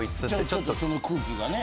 ちょっとその空気がね。